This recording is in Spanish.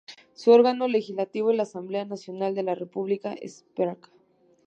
Su órgano legislativo es la Asamblea Nacional de la República Srpska.